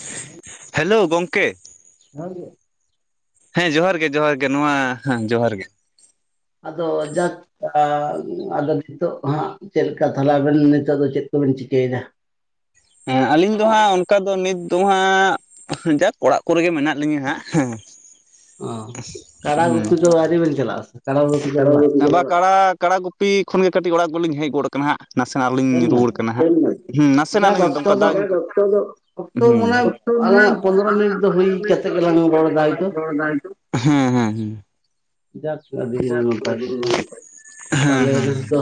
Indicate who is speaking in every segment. Speaker 1: ᱩᱸᱦᱩᱸᱜ᱾
Speaker 2: Hello ᱜᱚᱝᱠᱮ᱾
Speaker 1: ᱡᱚᱦᱟᱨ ᱜᱮ᱾
Speaker 2: ᱦᱮᱸ ᱡᱚᱦᱟᱨ ᱜᱮ, ᱡᱚᱦᱟᱨ ᱜᱮ ᱱᱚᱣᱟ ᱦᱮᱸ ᱡᱚᱦᱟᱨ ᱜᱮ᱾
Speaker 1: ᱟᱫᱚ ᱡᱟᱠ ᱟᱻ ᱟᱫᱚ ᱱᱤᱛᱳᱜ ᱫᱚ ᱦᱟᱸᱜ ᱪᱮᱫ ᱞᱮᱠᱟ ᱛᱟᱦᱞᱮᱵᱮᱱ ᱱᱤᱛᱳᱜ ᱫᱚ ᱪᱮᱫ ᱠᱚᱵᱮᱱ ᱪᱤᱠᱟᱹᱭᱫᱟ?
Speaker 2: ᱦᱮᱸ ᱟᱹᱞᱤᱧ ᱫᱚ ᱦᱟᱸᱜ ᱚᱱᱠᱟ ᱫᱚ ᱱᱤᱛ ᱫᱚ ᱦᱟᱸᱜ ᱡᱟᱠ ᱚᱲᱟᱜ ᱠᱚᱨᱮ ᱜᱮ ᱢᱮᱱᱟᱜ ᱞᱤᱧᱟᱹ ᱦᱟᱸᱜ ᱦᱮᱸ᱾
Speaker 1: ᱚ, ᱠᱟᱲᱟ ᱜᱩᱯᱤ ᱫᱚ ᱟᱹᱣᱨᱤ ᱵᱮᱱ ᱪᱟᱞᱟᱜ-ᱟ ᱥᱮ? ᱠᱟᱰᱟ ᱜᱩᱯᱤ ᱠᱚᱫᱚ ᱵᱟᱝ?
Speaker 2: [unintelligible] ᱵᱟ ᱵᱟ, ᱠᱟᱲᱟ ᱠᱟᱲᱟ ᱜᱩᱯᱤ ᱠᱷᱚᱱᱜᱮ ᱠᱟᱹᱴᱤᱡ ᱚᱲᱟᱜ ᱠᱚᱞᱤᱧ ᱦᱮᱡ ᱜᱚᱫ ᱠᱟᱱᱟ᱾ ᱠᱟᱱᱟ ᱦᱟᱸᱜ, ᱱᱟᱥᱮᱱᱟᱜ ᱞᱤᱧ
Speaker 1: ᱥᱮᱴᱮᱨ ᱱᱟ
Speaker 2: ᱨᱩᱣᱟᱹᱲ
Speaker 1: ᱵᱤᱱ?
Speaker 2: ᱠᱟᱱᱟ ᱦᱟᱸᱜ ᱦᱮᱸ ᱱᱟᱥᱮᱱᱟᱜ
Speaker 1: ᱡᱟᱠ
Speaker 2: ᱞᱤᱧ
Speaker 1: ᱚᱠᱛᱚ
Speaker 2: ᱚᱱᱠᱟ
Speaker 1: ᱫᱚ
Speaker 2: ᱫᱟᱜ
Speaker 1: ᱚᱠᱛᱚ
Speaker 2: ᱦᱩᱸ᱾
Speaker 1: ᱢᱟᱱᱮ
Speaker 2: ᱦᱩᱸ
Speaker 1: ᱟᱞᱟᱝᱟᱜ ᱯᱚᱱᱫᱽᱨᱚ ᱢᱤᱱᱤᱴ ᱫᱚ ᱦᱩᱭ ᱠᱟᱛᱮ ᱜᱮᱞᱟᱝ ᱨᱚᱲᱫᱟ ᱦᱚᱭᱛᱚ
Speaker 2: ᱦᱩᱸ ᱦᱩᱸ᱾
Speaker 1: ᱡᱟᱠ ᱟᱹᱰᱤ ᱜᱮ ᱱᱟᱯᱟᱭ ᱠᱟᱛᱷᱟ, ᱛᱟᱦᱞᱮ
Speaker 2: ᱦᱮᱸ ᱦᱮᱸ ᱦᱮᱸ
Speaker 1: ᱱᱮᱥᱫᱚ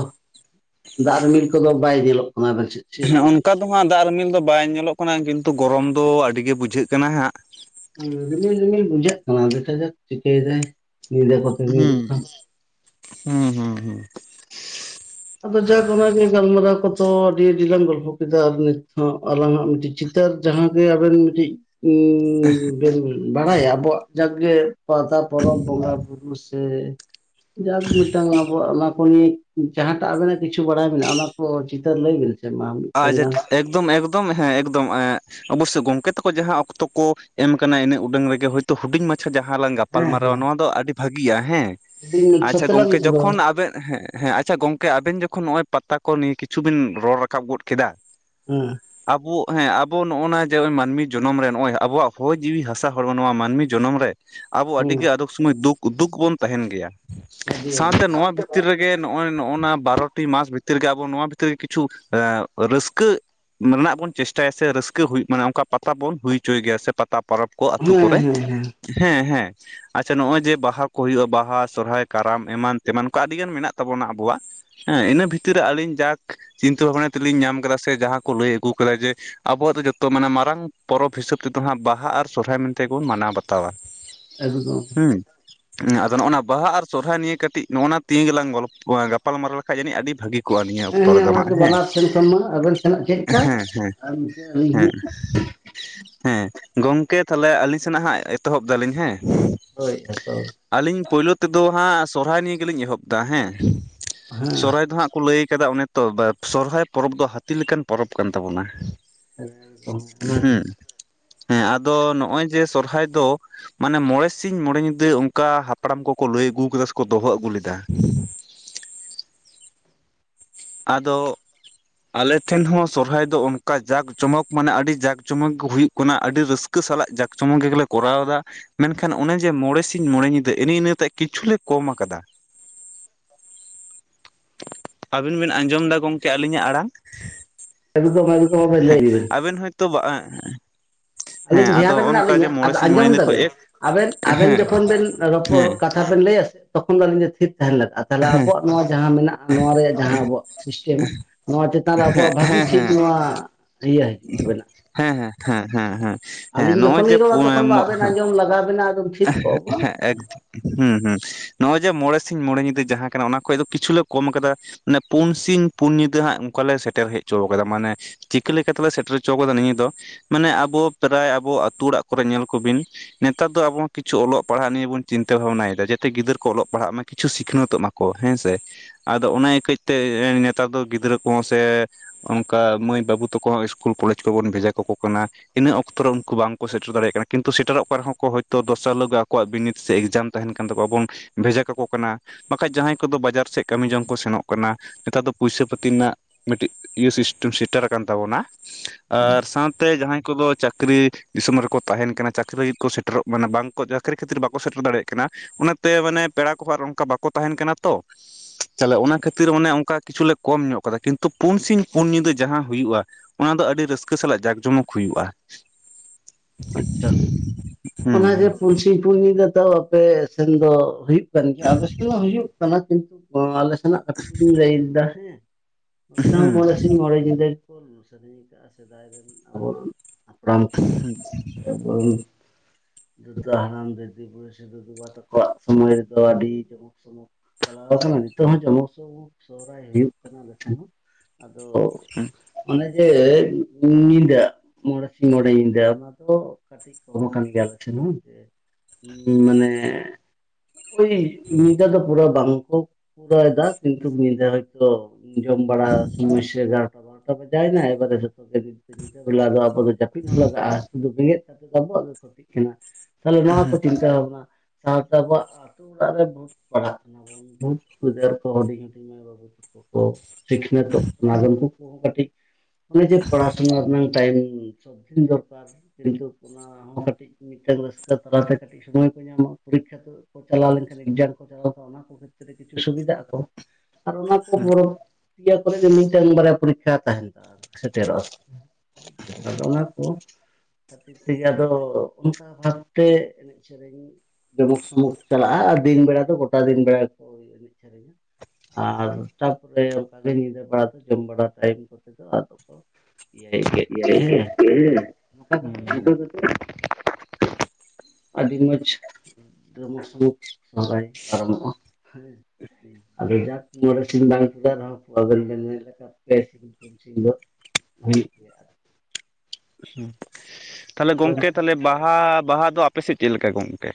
Speaker 1: ᱫᱟᱜ ᱨᱤᱢᱤᱞ ᱠᱚᱫᱚ ᱵᱟᱭ ᱧᱮᱞᱚᱜ ᱠᱟᱱᱟ ᱟᱫᱚ ᱪᱮᱫ?
Speaker 2: ᱦᱮᱸ, ᱚᱱᱠᱟ ᱫᱚ ᱦᱟᱸᱜ ᱫᱟᱜ ᱨᱤᱢᱤᱞ ᱫᱚ ᱵᱟᱭ ᱧᱮᱞᱚᱜ ᱠᱟᱱᱟ ᱠᱤᱱᱛᱩ ᱜᱚᱨᱚᱢ ᱫᱚ ᱟᱹᱰᱤ ᱜᱮ ᱵᱩᱡᱷᱟᱹᱜ ᱠᱟᱱᱟ ᱦᱟᱸᱜ᱾
Speaker 1: ᱦᱩᱸ, ᱨᱤᱢᱤᱞ ᱨᱤᱢᱤᱞ ᱵᱩᱡᱷᱟᱹᱜ ᱠᱟᱱᱟ ᱫᱮᱠᱷᱟ ᱡᱟᱠ ᱪᱤᱠᱟᱹᱭ ᱫᱟᱭ ᱧᱤᱫᱟᱹ ᱠᱚᱛᱮ
Speaker 2: ᱦᱩᱸ
Speaker 1: ᱧᱩᱨᱩᱜ ᱠᱷᱟᱱ᱾
Speaker 2: ᱦᱩᱸ ᱦᱩᱸ ᱦᱩᱸ᱾
Speaker 1: ᱟᱫᱚ ᱡᱟᱠ ᱚᱱᱟ ᱜᱮ ᱜᱟᱞᱢᱟᱨᱟᱣ ᱠᱚᱫᱚ ᱟᱹᱰᱤ ᱟᱹᱰᱤ ᱞᱟᱝ ᱜᱚᱞᱯᱷᱚ ᱠᱮᱫᱟ, ᱟᱨ ᱱᱤᱛ ᱦᱚᱸ ᱟᱞᱟᱝᱟᱜ [unintelligible] ᱱᱮᱛᱟᱨ ᱡᱟᱦᱟᱸᱜᱮ ᱟᱵᱮᱱ ᱢᱤᱴᱤᱡ ᱩᱸ ᱵᱮᱱ ᱵᱟᱲᱟᱭᱟ, ᱟᱵᱚᱣᱟᱜ ᱡᱟᱠᱜᱮ ᱯᱟᱛᱟ ᱯᱚᱨᱚᱵᱽ, ᱵᱚᱸᱜᱟ ᱵᱩᱨᱩ, [unintelligible] ᱡᱟᱠ ᱜᱮ ᱢᱤᱫᱴᱟᱝ ᱟᱵᱚᱣᱟᱜ ᱚᱱᱟ ᱠᱚ ᱱᱤᱭᱮ ᱡᱟᱦᱟᱸᱴᱟᱜ ᱟᱵᱮᱱᱟᱜ ᱠᱤᱪᱷᱩ ᱵᱟᱲᱟᱭ ᱢᱮᱱᱟᱜ-ᱟ ᱚᱱᱟ ᱠᱚ ᱪᱤᱛᱟᱹᱨ ᱞᱟᱹᱭᱵᱮᱱ ᱥᱮ᱾ ᱢᱟ ᱢᱤᱫᱴᱮᱱ
Speaker 2: ᱟᱡᱟᱴ,
Speaker 1: ᱜᱟᱱ
Speaker 2: ᱮᱱ ᱮᱠᱫᱚᱢ ᱮᱠᱫᱚᱢ ᱦᱮᱸ ᱮᱠᱫᱚᱢ ᱮᱸᱜ ᱚᱵᱚᱥᱥᱳᱭ ᱜᱚᱝᱠᱮ ᱛᱟᱠᱚ ᱡᱟᱦᱟᱸ ᱚᱠᱛᱚ ᱠᱚ ᱮᱢ ᱟᱠᱟᱱᱟ ᱤᱱᱟᱹᱜ ᱩᱰᱟᱹᱝ ᱨᱮᱜᱮ ᱦᱳᱭ ᱛᱚ, ᱦᱩᱰᱤᱧ ᱢᱟᱪᱷᱟ ᱡᱟᱦᱟᱸ ᱞᱟᱝ ᱜᱟᱯᱟᱞ
Speaker 1: ᱦᱮᱸ ᱦᱮᱸ
Speaker 2: ᱢᱟᱨᱟᱨᱟᱣᱟ ᱱᱚᱣᱟ ᱫᱚ ᱟᱹᱰᱤ ᱵᱷᱟᱹᱜᱤᱭᱟ ᱦᱮᱸ᱾
Speaker 1: ᱟᱹᱵᱤᱱ ᱢᱟᱪᱷᱟ
Speaker 2: ᱟᱪᱪᱷᱟ
Speaker 1: ᱛᱮᱞᱟᱝ
Speaker 2: ᱜᱚᱝᱠᱮ
Speaker 1: ᱯᱩᱨᱟᱹᱣᱟ
Speaker 2: ᱡᱚᱠᱷᱚᱱ ᱟᱵᱮᱱ ᱦᱮᱸ᱾ ᱦᱮᱸ ᱟᱪᱪᱷᱟ ᱜᱚᱝᱠᱮ ᱟᱵᱮᱱ ᱡᱚᱠᱷᱚᱱ ᱱᱚᱜ ᱚᱚᱭ ᱯᱟᱛᱟ ᱠᱚ ᱱᱤᱭᱟᱹ ᱠᱤᱪᱷᱩ ᱵᱤᱱ ᱨᱚᱲ ᱨᱟᱠᱟᱵ ᱜᱚᱫ ᱠᱮᱫᱟ᱾
Speaker 1: ᱦᱩᱸ᱾
Speaker 2: ᱟᱵᱚᱜ ᱦᱮᱸ ᱟᱵᱚ ᱱᱚᱜᱼᱚ ᱱᱚᱣᱟ ᱡᱮ ᱢᱟᱹᱱᱢᱤ ᱡᱚᱱᱚᱢ ᱨᱮ ᱱᱚᱜᱼᱚᱭ ᱟᱵᱚᱣᱟᱜ ᱦᱚᱭ ᱡᱤᱣᱤ ᱦᱟᱥᱟ ᱦᱚᱲᱢᱚ ᱱᱚᱣᱟ ᱢᱟᱹᱱᱢᱤ ᱡᱚᱱᱚᱢ ᱨᱮ ᱟᱵᱚ
Speaker 1: ᱦᱮᱸ
Speaker 2: ᱟᱹᱰᱤᱜᱮ ᱟᱹᱫᱩᱠ ᱥᱚᱢᱚᱭ ᱫᱩᱠ ᱫᱩᱠ ᱵᱚᱱ ᱛᱟᱦᱮᱱ ᱜᱮᱭᱟ,
Speaker 1: ᱟᱹᱰᱤ ᱟᱹᱰᱤ
Speaker 2: ᱥᱟᱶᱛᱮ ᱱᱚᱣᱟ ᱵᱷᱤᱛᱤᱨ ᱨᱮ- ᱜᱮ ᱱᱚᱜᱼᱚᱭ, ᱱᱚᱜᱼᱚ ᱱᱚᱣᱟ ᱵᱟᱨᱚᱴᱤ ᱢᱟᱥ ᱵᱷᱤᱛᱤᱨ ᱨᱮᱜᱮ ᱟᱵᱚ ᱱᱚᱣᱟ ᱵᱷᱤᱛᱤᱨ ᱨᱮ ᱠᱤᱪᱷᱩ ᱮᱸ ᱨᱟᱹᱥᱠᱟᱹᱜ ᱨᱮᱱᱟᱜ ᱵᱚᱱ ᱪᱮᱥᱴᱟᱭᱟ ᱥᱮ ᱨᱟᱹᱥᱠᱟᱹ ᱦᱩᱭᱩᱜ ᱢᱟᱱᱮ ᱚᱱᱠᱟ ᱯᱟᱛᱟ ᱵᱚᱱ ᱦᱩᱭ ᱦᱚᱪᱚᱭ ᱜᱮᱭᱟ, ᱥᱮ ᱯᱟᱛ- ᱛᱟ ᱯᱚᱨᱚᱵᱽ ᱠᱚ ᱟᱹᱛᱩ
Speaker 1: ᱦᱮᱸ
Speaker 2: ᱠᱚᱨᱮ,
Speaker 1: ᱦᱮᱸ ᱦᱮᱸ
Speaker 2: ᱦᱮᱸ ᱦᱮᱸ᱾ ᱟᱪᱪᱷᱟ ᱱᱚᱜᱼᱚᱭ ᱡᱮ ᱵᱟᱦᱟ ᱠᱚ ᱦᱩᱭᱩᱜᱼᱟ, ᱵᱟᱦᱟ, ᱥᱚᱨᱦᱟᱭ, ᱠᱟᱨᱟᱢ ᱮᱢᱟᱱ ᱛᱮᱢᱟᱱ ᱠᱚ ᱟᱹᱰᱤᱜᱟᱱ ᱢᱮᱱᱟᱜ ᱛᱟᱵᱚᱱᱟ ᱟᱵᱚᱣᱟᱜ ᱦᱮᱸ ᱤᱱᱟᱹ ᱵᱷᱤᱛᱤᱨ ᱨᱮ ᱟᱹᱞᱤᱧ ᱡᱟᱠ ᱪᱤᱱᱛᱟᱹ ᱵᱷᱟᱵᱽᱱᱟ ᱛᱮᱞᱤᱧ ᱧᱟᱢ ᱟᱠᱟᱫᱟ ᱥᱮ ᱡᱟᱦᱟᱸ ᱠᱚ ᱞᱟᱹᱭ ᱟᱹᱜᱩ ᱠᱟᱫᱟ ᱡᱮ ᱟᱵᱚᱣᱟᱜ ᱫᱚ ᱡᱚᱛᱚ ᱢᱟᱱᱮ ᱢᱟᱨᱟᱝ ᱯᱚᱨᱚᱵᱽ ᱦᱤᱥᱟᱹᱵᱽ ᱛᱮᱫᱚ ᱦᱟᱸᱜ ᱵᱟᱦᱟ ᱟᱨ ᱥᱚᱨᱦᱟᱭ ᱢᱮᱱᱛᱮ ᱵᱚᱱ ᱢᱟᱱᱟᱣ ᱵᱟᱛᱟᱣᱟ᱾
Speaker 1: ᱮᱠᱫᱚᱢ
Speaker 2: ᱦᱩᱸ? ᱟᱫᱚ ᱱᱚᱜᱼᱚᱭ ᱱᱚᱣᱟ ᱵᱟᱦᱟ ᱟᱨ ᱥᱚᱨᱦᱟᱭ ᱱᱤᱭᱟᱹ ᱠᱟᱹᱴᱤᱡ ᱱᱚᱜᱼᱚᱼᱱᱚᱣᱟ ᱛᱮᱦᱤᱧ ᱜᱮᱞᱟᱝ ᱜᱳᱞᱯᱷ ᱜᱟᱯᱟᱞᱢᱟᱨᱟᱣ ᱞᱮᱠᱷᱟᱡ ᱡᱟᱹᱱᱤᱡ ᱟᱹᱰᱤ ᱵᱷᱟᱹᱜᱤ ᱠᱚᱜ ᱼᱟ ᱱᱤᱭᱟᱹ ᱚᱠᱛᱚ ᱨᱮᱫᱚ ᱦᱟᱸᱜ ᱦᱮᱸ᱾
Speaker 1: ᱪᱮᱫ ᱞᱮᱠᱟ ᱢᱮᱱᱟᱜᱼᱟ, ᱟᱹᱵᱤᱱ ᱥᱮᱱᱟᱜ ᱪᱮᱫ ᱞᱮᱠᱟ
Speaker 2: ᱦᱮᱸ ᱦᱮᱸ
Speaker 1: ᱟᱨ ᱜᱚᱝᱠᱮ ᱟᱹᱞᱤᱧ
Speaker 2: ᱦᱮᱸ
Speaker 1: ᱦᱚᱸ
Speaker 2: ᱦᱮᱸ ᱜᱚᱝᱠᱮ ᱛᱟᱦᱮᱞᱮ ᱟᱹᱞᱤᱧ ᱥᱮᱱᱟᱜ ᱦᱟᱸᱜ ᱮᱛᱚᱦᱚᱵ ᱫᱟ ᱞᱤᱧ ᱦᱮᱸ?
Speaker 1: ᱦᱳᱭ ᱮᱛᱚᱦᱚ-
Speaker 2: ᱟᱹᱞᱤᱧ ᱯᱳᱭᱞᱳ ᱛᱮᱫᱚ ᱦᱟᱸᱜ ᱥᱚᱦᱨᱟᱭ ᱱᱤᱭᱮ ᱜᱮᱞᱤᱧ ᱮᱦᱚᱵ ᱮᱫᱟ ᱦᱮᱸ,
Speaker 1: ᱦᱮᱸ
Speaker 2: ᱥᱚᱨᱦᱟᱭ ᱫᱚ ᱦᱟᱸᱜ ᱠᱚ ᱞᱟᱹᱭ ᱟᱠᱟᱫᱟ ᱚᱱᱮ ᱛᱚᱻᱵᱼᱯᱮ ᱥᱚᱨᱦᱟᱭ ᱯᱚᱨᱚᱵᱽ ᱫᱚ ᱦᱟᱹᱛᱤ ᱞᱮᱠᱟᱱ ᱯᱚᱨᱚᱵᱽ ᱠᱟᱱ ᱛᱟᱵᱚᱱᱟ,
Speaker 1: ᱦᱮᱸ ᱜᱚᱝ ᱚᱱᱟ ᱜᱮ᱾
Speaker 2: ᱦᱩᱸ ᱦᱮᱸ ᱟᱫᱚ ᱱᱚᱜᱼᱚᱭ ᱡᱮ ᱥᱚᱨᱦᱟᱭ ᱫᱚ ᱢᱟᱱᱮ ᱢᱚᱬᱮ ᱥᱤᱧ ᱢᱚᱬᱮ ᱧᱤᱫᱟᱹ ᱚᱸᱠᱟ ᱦᱟᱯᱲᱟᱢ ᱠᱚᱠᱚ ᱞᱟᱹᱭ ᱟᱹᱜᱩ ᱟᱠᱟᱫᱟ ᱥᱮᱠᱚ ᱫᱚᱦᱚ ᱟᱹᱜᱩ ᱞᱮᱫᱟ, ᱟᱫᱚᱜ ᱟᱞᱮ ᱴᱷᱮᱱ ᱦᱚᱸ ᱥᱚᱨᱦᱟᱭ ᱫᱚ ᱚᱱᱠᱟ ᱡᱟᱠ ᱡᱚᱢᱚᱠ ᱢᱟᱱᱮ ᱟᱹᱰᱤ ᱡᱟᱠ ᱡᱚᱢᱚᱠ ᱜᱮ ᱦᱩᱭᱩᱜ ᱠᱟᱱᱟ, ᱟᱹᱰᱤ ᱨᱟᱹᱥ- ᱠᱟᱹ ᱥᱟᱞᱟᱜ ᱡᱟᱠ ᱡᱚᱢᱚᱠ ᱜᱮᱜᱮᱞᱮ ᱠᱚᱨᱟᱣ ᱮᱫᱟ, ᱢᱮᱱᱠᱷᱟᱱ ᱚᱱᱮ ᱡᱮ ᱢᱚᱬᱮ ᱥᱤᱧ ᱢᱚᱬᱮ ᱧᱤᱫᱟᱹ ᱮᱱᱮ ᱤᱱᱟᱹ ᱛᱮᱜ ᱠᱤᱪᱷᱩ ᱞᱮ ᱠᱚᱢ ᱟᱠᱟᱫᱟ᱾ ᱟᱹᱵᱤᱱ ᱵᱤᱱ ᱟᱸᱡᱚᱢ ᱮᱫᱟ ᱜᱚᱝᱠᱮ ᱟᱹᱞᱤᱧᱟᱜ ᱟᱲᱟᱝ?
Speaker 1: ᱮᱠᱫᱚᱢ [unintelligible]
Speaker 2: ᱦᱮᱸᱦ
Speaker 1: ᱵᱤᱱ
Speaker 2: ᱟᱵᱮᱱ ᱦᱚᱭᱛᱳᱵᱼᱟᱸ, ᱮᱸᱦ
Speaker 1: ᱟᱹᱞᱤᱧ ᱫᱷᱮᱭᱟᱱ ᱨᱮ ᱢᱮᱱᱟᱜ ᱞᱤᱧᱟᱹ, ᱟᱫᱚ ᱟᱸᱡᱚᱢ ᱮᱫᱟ
Speaker 2: ᱠᱷᱚᱡ
Speaker 1: ᱵᱮᱱ
Speaker 2: ᱮᱠ
Speaker 1: ᱟᱵᱮᱱ ᱟᱵᱮᱱ
Speaker 2: ᱦᱮᱸ
Speaker 1: ᱡᱚᱠᱷᱚᱱ ᱵᱮᱱ ᱨᱚᱯᱚᱨᱚ
Speaker 2: ᱦᱮᱸ
Speaker 1: ᱠᱟᱱ- ᱠᱟᱛᱷᱟ ᱵᱮᱱ ᱞᱟᱹᱭᱼᱟ ᱥᱮ ᱛᱚᱠᱷᱚᱱ ᱫᱚ ᱟᱹᱞᱤᱧ ᱫᱚ ᱛᱷᱤᱨ ᱛᱟᱦᱮᱸᱱ ᱞᱟᱜᱟᱜᱼᱟ᱾ ᱛᱟᱦᱮᱞᱮ ᱟᱵᱚᱣᱟᱜ ᱱᱚᱣᱟ ᱡᱟᱦᱟᱸ ᱢᱮᱱᱟᱜᱼᱟ ᱱᱚᱣᱟ ᱨᱮᱭᱟᱜ ᱡᱟᱦᱟᱸ ᱟᱵᱚᱣᱟᱜ ᱥᱤᱥᱴᱮᱢ ᱱᱚᱣᱟ ᱪᱮᱛᱟᱱ ᱨᱮ ᱟᱵᱚᱣᱟᱜ ᱵᱷᱟᱹᱜᱤ
Speaker 2: ᱦᱮᱸ ᱦᱮᱸ
Speaker 1: ᱴᱷᱤᱠ
Speaker 2: ᱦᱮᱸ
Speaker 1: ᱱᱚᱣᱟ ᱤᱭᱟᱹ ᱦᱤᱡᱩᱜᱼᱟ ᱟᱵᱮᱱᱟᱜ᱾
Speaker 2: ᱦᱮᱸ ᱦᱮᱸ, ᱦᱮᱸ ᱦᱮᱸ ᱦᱮᱸ᱾
Speaker 1: ᱟᱹᱞᱤᱧ
Speaker 2: ᱦᱮᱸ ᱱᱚᱜᱼᱚᱭ
Speaker 1: ᱡᱚᱠᱷᱚᱱ ᱞᱤᱧ
Speaker 2: ᱡᱮ
Speaker 1: ᱨᱚᱲᱼᱟ ᱛᱚᱠᱷᱚᱱ ᱫᱚ ᱟᱵᱮᱱ ᱟᱸᱡᱚᱢ ᱞᱟᱜᱟᱣ ᱵᱮᱱᱟ ᱟᱫᱚ ᱛᱷᱤᱨ-
Speaker 2: ᱮᱸ ᱻᱦᱮᱸᱜ, ᱮᱸ ᱦᱮᱸᱜ, ᱮᱠᱛ ᱦᱩᱸ ᱦᱩᱸ ᱱᱚᱜᱼᱚᱭ ᱡᱮ ᱢᱚᱬᱮ ᱥᱤᱧ ᱢᱚᱬᱮ ᱧᱤᱫᱟᱹ ᱡᱟᱦᱟᱸ ᱠᱟᱱᱟ ᱚᱱᱟ ᱠᱷᱚᱡ ᱫᱚ ᱠᱤᱪᱷᱩ ᱞᱮ ᱠᱚᱢ ᱟᱠᱟᱫᱟ ᱢᱟᱱᱮ ᱯᱩᱱ ᱥᱤᱧ ᱯᱩᱱ ᱧᱤᱫᱟᱹ ᱦᱟᱸᱜ ᱚᱸᱠᱟ ᱞᱮ ᱥᱮᱴᱮᱨ ᱦᱮᱜ ᱪᱚ ᱠᱟᱫᱟ ᱢᱟᱱᱮ ᱪᱤᱠᱟᱹ ᱞᱮᱠᱟ ᱛᱮᱞᱮ ᱥᱮᱴᱮᱨ ᱚᱪᱚ ᱠᱟᱫᱟ ᱱᱤᱭᱟᱹ ᱫᱚ ᱢᱟᱱᱮ ᱟᱵᱚ ᱯᱮᱨᱟᱭ ᱟᱵᱚ ᱟᱹᱛᱩ ᱚᱲᱟᱜ ᱠᱚᱨᱮ ᱧᱮᱞ ᱠᱚᱵᱤᱱ, ᱱᱮᱛᱟᱨ ᱫᱚ ᱟᱵᱚ ᱠᱤᱪᱷᱩ ᱚᱞᱚᱜ ᱯᱟᱲᱦᱟᱜ ᱱᱤᱭᱟᱹ ᱵᱚᱱ ᱪᱤᱸᱛᱟᱹ ᱵᱷᱟᱵᱽᱱᱟ ᱭᱮᱫᱟ, ᱡᱟ ᱛᱮ ᱜᱤᱫᱟᱹᱨ ᱠᱚ ᱚᱞᱚᱜ ᱯᱟᱲᱦᱟᱜ ᱢᱟ ᱠᱤᱪᱷᱩ ᱥᱤᱠᱷᱱᱟᱹᱛᱼᱚᱜ ᱢᱟᱠᱚ ᱦᱮᱸ ᱥᱮ᱾ ᱟᱫᱚ ᱚᱱᱟ ᱤᱠᱟᱹᱡᱽ ᱛᱮ ᱮᱸᱻ ᱱᱮᱛᱟᱨ ᱫᱚ ᱜᱤᱫᱽᱨᱟᱹ ᱠᱚᱦᱚᱸ ᱥᱮ ᱚᱱᱠᱟ ᱢᱟᱹᱭ ᱵᱟᱹᱵᱩ ᱛᱮᱠᱚ ᱦᱚᱸ ᱤᱥᱠᱩᱞ ᱠᱚᱞᱮᱡᱽ ᱠᱚᱵᱚᱱ ᱵᱷᱮᱡᱟ ᱠᱚᱠᱚ ᱠᱟᱱᱟ, ᱤᱱᱟᱹ ᱚᱠᱛᱚ ᱨᱮ ᱩᱱᱠᱩ ᱵᱟᱝᱠᱚ ᱥᱮᱴᱮᱨ ᱫᱟᱲᱮᱭᱟᱜ ᱠᱟᱱᱟ ᱠᱤᱱᱛᱩ ᱥᱮᱴᱮᱨᱚᱜ ᱠᱟᱱ ᱨᱮᱦᱚᱸ ᱠᱚ ᱦᱚᱭ- ᱛᱚ ᱫᱚᱥᱟᱨ ᱦᱤᱞᱳᱜ ᱟᱠᱚᱣᱟᱜ ᱵᱤᱱᱤᱰ ᱥᱮ ᱮᱠᱡᱟᱢ ᱛᱟᱦᱮᱸᱱ ᱠᱟᱱ ᱛᱟᱠᱚᱣᱟ, ᱵᱚᱝ ᱵᱷᱮᱡᱟ ᱠᱟᱠᱚ ᱠᱟᱱᱟ, ᱵᱟᱠᱷᱟᱡ ᱡᱟᱦᱟᱸᱭ ᱠᱚᱫᱚ ᱵᱟᱡᱟᱨ ᱥᱮᱜ ᱠᱟᱹᱢᱤ ᱡᱚᱝ ᱠᱚ ᱥᱮᱱᱚᱜ ᱠᱟᱱᱟ, ᱱᱮᱛᱟᱨ ᱫᱚ ᱯᱩᱭᱥᱟ ᱯᱟᱹᱛᱤ ᱨᱮᱱᱟᱜ ᱢᱤᱫᱴᱤᱡ ᱤᱭᱟᱹ ᱥᱤᱥᱴᱼᱮᱢ ᱥᱮᱴᱮᱨ ᱟᱠᱟᱱ ᱛᱟᱵᱚᱱᱟ᱾ ᱟᱨ ᱥᱟᱶᱛᱮ ᱡᱟᱦᱟᱸᱭ ᱠᱚᱫᱚ ᱪᱟᱹᱠᱨᱤ ᱫᱤᱥᱚᱢ ᱨᱮᱠᱚ ᱛᱟᱦᱮᱸᱱ ᱠᱟᱱᱟ, ᱪᱟᱹᱠᱨᱤ ᱠᱚ ᱥᱮᱴᱮᱨᱚᱜ ᱢᱟᱱᱮ ᱵᱟᱝᱠᱚ ᱪᱟᱹᱠᱨᱤ ᱠᱷᱟᱹᱛᱤᱨ ᱵᱟᱠᱚ ᱥᱮᱴᱮᱨ ᱫᱟᱲᱮᱭᱟᱜ ᱠᱟᱱᱟ᱾ ᱚᱱᱟᱛᱮ ᱢᱟᱱᱮ ᱯᱮᱲᱟ ᱠᱚᱦᱚᱸ ᱚᱱᱠᱟ ᱵᱟᱠᱚ ᱛᱟᱦᱮᱱ ᱠᱟᱱᱟ ᱛᱚ ᱛᱟᱦᱚᱞᱮ ᱚᱱᱟ ᱠᱷᱟᱹᱛᱤᱨ ᱚᱱᱮ ᱚᱱᱠᱟ ᱠᱤᱪᱷᱩ ᱞᱮ ᱠᱚᱢ ᱧᱚᱜ ᱠᱟᱫᱟ ᱠᱤᱱᱛᱩ ᱯᱩᱱ ᱥᱤᱧ ᱯᱩᱱ ᱧᱤᱫᱟᱹ ᱡᱟᱦᱟᱸ ᱦᱩᱭᱩᱜᱼᱟ᱾ ᱚᱱᱟ ᱫᱚ ᱟᱹᱰᱤ ᱨᱟᱹᱥᱠᱟᱹ ᱥᱟᱞᱟᱜ ᱡᱟᱠ ᱡᱚᱢᱚᱠ ᱦᱩᱭᱩᱜᱼᱟ᱾
Speaker 1: ᱟᱪᱪᱷᱟ ᱚᱱᱟᱜᱮ
Speaker 2: ᱛᱟᱦᱚᱞᱮ
Speaker 1: ᱯᱩᱱ ᱥᱤᱧ ᱯᱩᱱ ᱧᱤᱫᱟᱹ ᱛᱟᱣ ᱟᱯᱮ ᱥᱮᱱ ᱫᱚ ᱦᱩᱭᱩᱜ ᱠᱟᱱ ᱜᱮᱭᱟ ᱟᱞᱮ ᱥᱮᱱ ᱢᱟ ᱦᱩᱭᱩᱜ ᱠᱟᱱᱟ ᱠᱤᱱᱛᱩ ᱟᱞᱮ ᱥᱮᱱᱟᱜ ᱠᱟᱹᱴᱤᱡ ᱜᱤᱧ ᱞᱟᱹᱭ ᱞᱮᱫᱟ ᱦᱮᱸ ᱢᱚᱬᱮ ᱥᱤᱧ ᱢᱚᱬᱮ ᱧᱤᱫᱟᱹ ᱜᱮᱠᱚ [unintelligible] ᱥᱮᱫᱟᱭ ᱨᱮᱱ ᱦᱚᱲ ᱦᱟᱲᱟᱢ ᱠᱚ ᱥᱮ ᱰᱟᱰᱟ ᱦᱟᱲᱟᱢ ᱰᱤᱰᱤ ᱵᱩᱰᱷᱤ ᱰᱩᱰᱩ ᱵᱟ ᱛᱟᱠᱚᱣᱟᱜ ᱥᱚᱢᱚᱭ ᱨᱮᱫᱚ ᱟᱹᱰᱤ ᱡᱚᱢᱚᱠ ᱥᱚᱢᱚᱠ ᱱᱤᱛᱚᱜ ᱦᱚᱸ ᱡᱚᱢᱚᱠ ᱥᱚᱢᱚᱠ ᱥᱚᱦᱨᱟᱭ ᱦᱩᱭᱩᱜ ᱠᱟᱱᱟ ᱟᱞᱮ ᱴᱷᱮᱱ ᱦᱚᱸ ᱟᱫᱚ ᱚᱱᱮ ᱡᱮ ᱯᱩᱱ ᱧᱤᱫᱟᱹ ᱢᱚᱬᱮ ᱥᱤᱧ ᱢᱚᱬᱮ ᱧᱤᱫᱟᱹ ᱱᱚᱣᱟ ᱫᱚ ᱠᱟᱹᱴᱤᱡ ᱠᱚᱢ ᱟᱠᱟᱱ ᱜᱮᱭᱟ ᱟᱞᱮ ᱴᱷᱮᱱ ᱦᱚᱸ ᱦᱩᱸ ᱢᱟᱱᱮ ᱳᱭ ᱧᱤᱫᱟᱹ ᱫᱚ ᱯᱩᱨᱟᱹ ᱵᱟᱝᱠᱚ ᱯᱩᱨᱟᱹ ᱣᱮᱫᱟ ᱠᱤᱱᱛᱩ ᱧᱤᱫᱟᱹ ᱛᱚ ᱡᱚᱢ ᱵᱟᱲᱟ ᱥᱚᱢᱚᱭ ᱥᱮ ᱱᱚᱴᱟ ᱵᱟᱨᱚᱴᱟ ᱵᱟᱡᱟᱣ ᱮᱱᱟ [unintelligible] ᱵᱟᱮᱡᱟᱭᱮᱱᱟ ᱮᱵᱮ ᱡᱷᱚᱛᱚᱤᱱ ᱧᱤᱫᱟᱹ ᱵᱮᱞᱟ ᱫᱚ ᱟᱵᱚ ᱫᱚ ᱡᱟᱹᱯᱤᱫ ᱦᱚᱸ ᱞᱟᱜᱟᱜᱼᱟ᱾ ᱵᱮᱸᱜᱮᱫ ᱠᱟᱛᱮᱫ ᱟᱵᱚ ᱫᱚᱯᱚᱛᱤᱜ ᱠᱟᱱᱟ ᱛᱟᱦᱚᱞᱮ ᱱᱚᱣᱟ ᱠᱚ ᱪᱤᱱᱛᱟᱟᱹ ᱵᱷᱟᱵᱱᱟ ᱥᱟᱶᱛᱮ ᱟᱵᱚᱣᱟᱜ ᱟᱹᱛᱩ ᱚᱲᱟᱜ ᱨᱮ ᱵᱚᱷᱩᱛ ᱠᱚ ᱯᱟᱲᱦᱟᱜ ᱠᱟᱱᱟ ᱵᱚᱱ ᱵᱚᱷᱩᱛ ᱯᱤᱫᱟᱹᱨ ᱠᱚ ᱦᱩᱰᱤᱧ ᱦᱩᱰᱤᱧ ᱢᱟᱹᱭ ᱵᱟᱹᱵᱩ [unintelligible] ᱥᱤᱠᱷᱱᱟᱹᱛᱚᱜ ᱠᱟᱱᱟ ᱠᱚ ᱩᱱᱠᱩ ᱠᱚᱦᱚᱸ ᱠᱟᱹᱴᱤᱡ ᱚᱱᱮ ᱡᱮ ᱯᱚᱲᱟᱥᱩᱱᱟ ᱨᱮᱱᱟᱜ ᱴᱟᱭᱤᱢ ᱥᱚᱵᱫᱤᱱ ᱫᱚᱨᱠᱟᱨ ᱠᱤᱱᱛᱩ ᱚᱱᱟ ᱦᱚᱸ ᱠᱟᱹᱴᱤᱡ ᱢᱤᱫᱴᱟᱝ ᱨᱟᱹᱥᱠᱟᱹ ᱛᱟᱞᱟᱛᱮ ᱠᱟᱹᱴᱤᱡ ᱥᱚᱢᱚᱭ ᱠᱚ ᱧᱟᱢᱟ ᱯᱚᱨᱤᱠᱷᱟ ᱠᱚ ᱪᱟᱞᱟᱣᱱᱠᱷᱟᱱ ᱮᱠᱡᱟᱢ ᱠᱚ ᱪᱟᱞᱟᱣ ᱚᱱᱟ ᱠᱚ ᱠᱷᱮᱛᱨᱮ ᱠᱤᱪᱷᱩ ᱥᱩᱵᱤᱫᱷᱟᱜ ᱟᱠᱚ ᱟᱨ ᱚᱱᱟ ᱠᱚ ᱦᱚᱨᱚ ᱯᱮᱤᱭᱟᱹ ᱠᱚᱨᱮ ᱜᱮ ᱢᱤᱫᱴᱟᱝ ᱵᱟᱨᱭᱟ ᱯᱚᱨᱤᱠᱷᱟ ᱛᱟᱦᱮᱱ ᱥᱮᱴᱮᱨᱚᱜᱼᱟ ᱟᱫᱚ ᱚᱱᱟ ᱠᱚ [inaudible] ᱠᱷᱟᱹᱛᱤᱨ ᱛᱮᱜᱮ ᱟᱫᱚ ᱚᱱᱠᱟ ᱵᱷᱟᱵᱛᱮ ᱮᱱᱮᱡ ᱥᱮᱨᱮᱧ [unintelligible] ᱡᱚᱢᱚᱠ ᱥᱚᱢᱩᱠ ᱪᱟᱞᱟᱜᱼᱟ ᱟᱨ ᱫᱤᱱ ᱵᱮᱲᱟ ᱫᱚ ᱜᱚᱴᱟ ᱫᱤᱱ ᱵᱮᱲᱟ ᱜᱮ ᱠᱚ ᱟᱨ ᱛᱟᱯᱚᱨᱮ ᱚᱱᱠᱟᱜᱮ ᱧᱤᱫᱟᱹ ᱵᱮᱲᱟ ᱫᱚ ᱡᱚᱢ ᱵᱟᱲᱟ ᱴᱟᱭᱤᱢ ᱠᱚᱛᱮ ᱫᱚ ᱟᱫᱚ ᱠᱚ [unintelligible] ᱮᱭᱟᱹᱭ
Speaker 2: ᱦᱭ ᱜᱮᱠ
Speaker 1: ᱠᱟᱛᱮᱜ
Speaker 2: [unintelligible]
Speaker 1: ᱟᱹᱰᱤ ᱢᱚᱸᱡᱽ ᱡᱚᱢᱚᱠ ᱥᱚᱢᱟᱠ ᱥᱚᱦᱨᱟᱭ ᱯᱟᱨᱚᱢᱚᱜᱼᱟ ᱦᱮᱸ [inaudible] [unintelligible] [unintelligible]
Speaker 2: ᱛᱟᱞᱦᱮ
Speaker 1: ᱟᱫᱚ
Speaker 2: ᱜᱚᱝᱠᱮ
Speaker 1: ᱮᱱᱠᱷᱟᱱ
Speaker 2: ᱛᱟᱞᱦᱮ ᱵᱟᱦᱟ ᱵᱟᱦᱟ ᱫᱚ ᱟᱯᱮ ᱥᱮᱫ ᱪᱮᱫ ᱞᱮᱠᱟ ᱜᱚᱝᱠᱮ?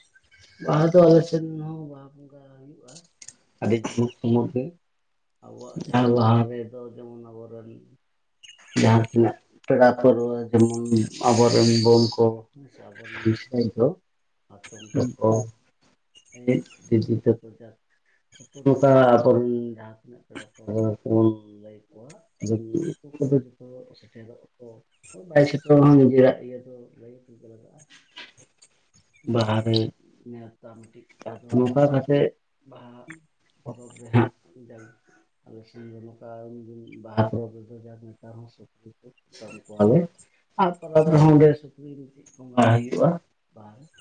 Speaker 1: ᱵᱟᱦᱟ ᱫᱚ ᱟᱞᱮ ᱥᱮᱫ ᱦᱚᱸ ᱵᱟᱦᱟ ᱵᱚᱝᱜᱟ ᱦᱩᱭᱩᱜᱼᱟ ᱟᱹᱰᱤ ᱡᱚᱢᱟᱠ‌ ᱥᱚᱢᱚᱠ ᱜᱮ ᱟᱵᱚᱣᱟᱜ ᱡᱟᱦᱟ ᱞᱟᱦᱟ ᱨᱮᱫᱚ ᱡᱮᱢᱚᱱ ᱟᱵᱚᱨᱮᱱ ᱡᱟᱦᱟᱸ ᱛᱤᱱᱟᱹᱜ ᱯᱮᱲᱟ ᱯᱟᱹᱨᱣᱟᱹ ᱡᱮᱢᱚᱱ ᱟᱵᱚ ᱨᱮᱱ ᱵᱳᱱ ᱠᱚ ᱟᱵᱚᱱ ᱨᱮᱱ ᱢᱤᱥᱨᱟᱭ ᱠᱚ ᱚᱤᱫᱡ [unintelligible] ᱩᱱᱠᱩ ᱚᱠᱟ ᱠᱷᱚᱱ ᱡᱟᱦᱟᱸ ᱛᱤᱱᱟᱹᱜ ᱯᱮᱲᱟ ᱠᱚᱵᱚᱱ ᱞᱟᱹᱭ ᱠᱚᱣᱟ ᱡᱮᱢᱚᱱ ᱩᱱᱠᱩ ᱠᱚᱫᱚ ᱡᱚᱛᱚ ᱥᱮᱴᱮᱨᱚᱜ ᱟᱠᱚᱭ ᱵᱟᱭ ᱥᱮᱴᱮᱨ ᱦᱚᱸ ᱱᱤᱡᱮᱨᱟᱜ ᱤᱭᱟᱹ ᱫᱚ ᱞᱟᱹᱭ [unintelligible] ᱵᱟᱦᱟ ᱨᱮ ᱱᱮᱣᱛᱟ ᱠᱟᱛᱮ [unintelligible] ᱴᱷᱤᱠ ᱴᱷᱟᱠ ᱱᱚᱝᱠᱟ ᱠᱟᱛᱮᱜ ᱵᱟᱦᱟ [unintelligible] [unintelligible] [unintelligible] [unintelligible]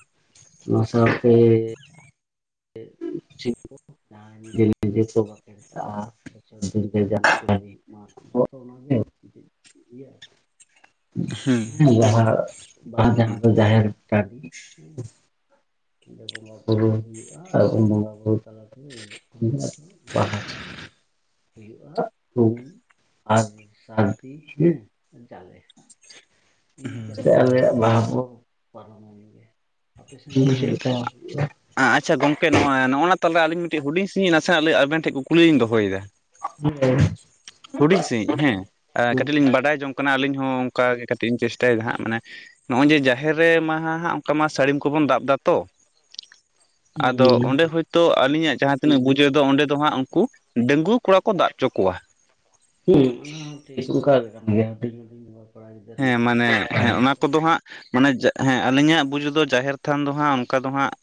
Speaker 1: ᱚᱱᱟ ᱥᱟᱶ ᱛᱮ [unintelligible] [unintelligible] [unintelligible]
Speaker 2: [inaudible]
Speaker 1: ᱦᱮᱸ ᱡᱟᱦᱟᱸ [unintelligible] ᱵᱚᱸᱜᱟ ᱵᱩᱨᱩ ᱦᱩᱭᱩᱜᱼᱟ ᱟᱨ ᱵᱚᱸᱜᱟ ᱵᱩᱨᱩ ᱛᱟᱞᱟ ᱛᱮ ᱵᱟᱦᱟ ᱫᱚ ᱦᱩᱭᱩᱜᱼᱟ [unintelligible] [unintelligible] ᱟᱯᱮ [unintelligible] ᱦᱩᱭᱩᱜᱼᱟ?
Speaker 2: ᱟᱸᱟᱪᱪᱷᱟ ᱜᱚᱝᱠᱮ ᱱᱚᱣᱟ ᱱᱚᱜ ᱚᱱᱟ ᱛᱟᱞᱮ ᱟᱹᱞᱤᱧ ᱢᱤᱫᱴᱤᱡ ᱦᱩᱰᱤᱧ ᱥᱟᱸᱦᱤᱡ ᱱᱟᱥᱮᱱᱟᱜ ᱞᱟᱹᱭ ᱟᱵᱮᱱ ᱴᱷᱮᱡ ᱠᱩᱞᱤᱧ ᱫᱚᱦᱚᱭᱫᱟ?
Speaker 1: ᱞᱟᱹᱭ ᱵᱤᱱ
Speaker 2: ᱦᱩᱰᱤᱧ ᱥᱟᱺᱦᱤᱡ ᱦᱮᱸ ᱮ ᱠᱟᱹᱴᱤᱡ ᱞᱤᱧ ᱵᱟᱰᱟᱭ ᱡᱚᱝ ᱠᱟᱱᱟ ᱟᱹᱞᱤᱧ ᱦᱚᱸ ᱚᱱᱠᱟ ᱜᱮ ᱠᱟᱹᱴᱤᱡ ᱤᱧ ᱪᱮᱥᱴᱟᱭ ᱫᱟ ᱦᱟᱸᱜ ᱢᱟᱱᱮᱼᱼ ᱱᱚᱜᱼᱚᱭ ᱡᱮ ᱡᱟᱦᱮᱨ ᱨᱮ ᱢᱟᱦᱟ ᱦᱟᱸᱜ ᱚᱝᱠᱟ ᱢᱟ ᱥᱟᱹᱲᱤᱢ ᱠᱚᱵᱚᱱ ᱫᱟᱵ ᱫᱟᱛᱚᱼᱼ ᱟᱫᱚ ᱚᱸᱰᱮ ᱦᱳᱭ ᱛᱚ ᱟᱹᱞᱤᱧᱟᱜ ᱡᱟᱦᱟᱸ ᱛᱤᱱᱟᱹᱜ ᱵᱩᱡᱟᱹᱣ ᱫᱚ ᱚᱸᱰᱮ ᱫᱚ ᱦᱟᱸᱜ ᱩᱱᱠᱩ ᱰᱟᱹᱝᱜᱩᱣᱟᱹ ᱠᱚᱲᱟ ᱠᱚ ᱫᱟᱵ ᱪᱚ ᱠᱚᱣᱟ᱾
Speaker 1: ᱩᱸ ᱚᱱᱟ ᱦᱚᱸ ᱴᱷᱤᱠ ᱚᱝᱠᱟ ᱠᱟᱱ ᱜᱮᱭᱟ᱾ ᱠᱚᱲᱟ ᱜᱤᱫᱟᱹᱨ
Speaker 2: ᱦᱮᱸ
Speaker 1: ᱠᱚ
Speaker 2: ᱢᱟᱱᱮ ᱦᱮᱸ ᱚᱱᱟ ᱠᱚᱫᱚ ᱦᱟᱸᱜ ᱢᱟᱱᱮ ᱦᱮᱸ ᱟᱹᱞᱤᱧᱟᱜ ᱵᱩᱡᱷᱟᱹᱣ ᱫᱚ ᱡᱟᱦᱮᱨ ᱛᱷᱟᱱ ᱫᱚ ᱦᱟᱸᱜ ᱚᱝᱠᱟ ᱫᱚ ᱦᱟᱸᱜ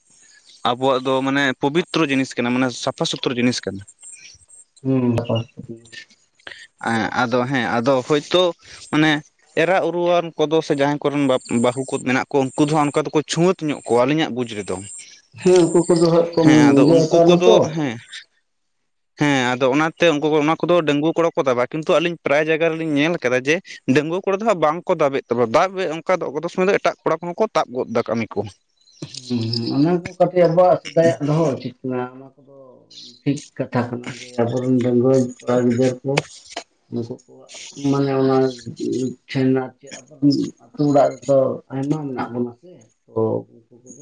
Speaker 2: ᱟᱵᱚᱣᱟᱜ ᱫᱚ ᱢᱟᱱᱮ ᱯᱚᱵᱤᱛᱨᱚ ᱡᱤᱱᱤᱥ ᱠᱟᱱᱟ ᱢᱟᱱᱮ ᱥᱟᱯᱷᱟ ᱥᱩᱛᱨᱚ ᱡᱤᱱᱤᱥ ᱠᱟᱱᱟ᱾
Speaker 1: ᱦᱩᱸ [unintelligible]
Speaker 2: ᱮᱸᱜ ᱟᱫᱚ ᱦᱮᱸ ᱟᱫᱚ ᱦᱳᱭᱛᱳ ᱢᱟᱱᱮ ᱮᱨᱟ ᱩᱨᱩᱣᱟᱱ ᱠᱚᱫᱚ ᱥᱮ ᱡᱟᱦᱟᱸᱭ ᱠᱚᱨᱮᱱ ᱵᱟᱯ ᱵᱟᱦᱩ ᱠᱩᱫ ᱢᱮᱱᱟᱜ ᱠᱩ ᱩᱱᱠᱩ ᱫᱚ ᱚᱝᱠᱟ ᱫᱚᱠᱩ ᱪᱷᱩᱸᱛ ᱧᱚᱜ ᱠᱚᱣᱟ ᱟᱹᱞᱤᱧᱟᱜ ᱵᱩᱡᱽ ᱨᱮᱫᱚ
Speaker 1: ᱦᱮᱸ ᱩᱱᱠᱩ ᱠᱚᱫᱚ ᱦᱟᱸᱜ ᱠᱚ
Speaker 2: ᱦᱮᱸ ᱟᱫᱚ
Speaker 1: ᱤᱭᱟᱹ
Speaker 2: ᱩᱱᱠᱩ
Speaker 1: ᱦᱟᱛᱟᱣ ᱱᱟ
Speaker 2: ᱠᱚᱫᱚ
Speaker 1: ᱛᱚ
Speaker 2: ᱦᱮᱸ ᱦᱮᱸᱜᱼᱼ ᱦᱮᱸ ᱟᱫᱚ ᱚᱱᱟᱛᱮ ᱩᱱᱠᱩ ᱚᱱᱟ ᱠᱚᱫᱚ ᱰᱟᱹᱧᱣᱟᱹ ᱠᱚᱲᱟ ᱠᱚ ᱛᱟᱵᱟᱣᱟ ᱠᱤᱱᱛᱩ ᱟᱹᱞᱤᱧ ᱯᱨᱟᱭ ᱡᱟᱭᱜᱟ ᱨᱮᱞᱤᱧ ᱧᱮᱞ ᱠᱟᱫᱟ ᱡᱮ ᱰᱟᱹᱧᱣᱟᱹᱠᱼᱼ ᱠᱩᱲᱟᱹ ᱫᱚ ᱦᱟᱸᱜ ᱵᱟᱝ ᱠᱚ ᱫᱟᱵ ᱮ ᱛᱟᱵᱚᱣᱟ ᱫᱟᱵ ᱵᱮ ᱚᱝᱠᱟ ᱫᱚ ᱟᱵᱩ ᱥᱚᱸᱛᱮᱜ ᱮᱴᱟᱜ ᱠᱚᱲᱟ ᱠᱚᱦᱚᱸ ᱠᱚ ᱛᱟᱵ ᱜᱚᱫ ᱫᱟ ᱠᱟᱹᱢᱤ ᱠᱚ᱾
Speaker 1: ᱦᱩᱸ ᱚᱱᱟ ᱠᱚ ᱠᱟᱹᱴᱤᱡ ᱟᱵᱚᱣᱟᱜ ᱥᱮᱫᱟᱭᱟᱜ ᱰᱚᱦᱚ ᱩᱪᱤᱛ ᱠᱟᱱᱟ ᱚᱱᱟ ᱠᱚᱫᱚ ᱴᱷᱤᱠ ᱠᱟᱛᱷᱟ ᱠᱟᱱᱟ ᱡᱮ ᱟᱵᱚ ᱨᱮᱱ ᱰᱟᱹᱜᱩᱣᱟᱹ ᱠᱚᱲᱟ ᱜᱤᱫᱟᱹᱨ ᱠᱚ ᱱᱩᱠᱩ ᱠᱚᱣᱟᱜ ᱢᱟᱱᱮ ᱚᱱᱟ [unintelligible] ᱟᱵᱚᱣᱟᱱ ᱚᱲᱟᱜ ᱨᱮᱫᱚ ᱟᱭᱢᱟ ᱢᱮᱱᱟᱜ ᱵᱚᱱᱟ ᱥᱮ ᱛᱚ